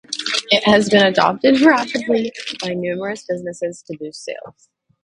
It has been adopted rapidly by numerous businesses to boost sales.